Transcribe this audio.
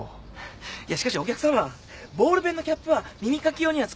いやしかしお客さまボールペンのキャップは耳かき用には作られておりませんので。